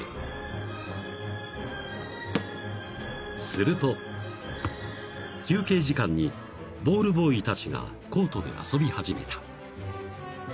［すると休憩時間にボールボーイたちがコートで遊び始めた］